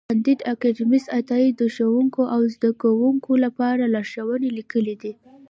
کانديد اکاډميسن عطایي د ښوونکو او زدهکوونکو لپاره لارښوونې لیکلې دي.